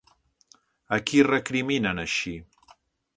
A qui recriminen, així?